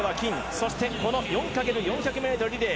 そして４×４００ｍリレー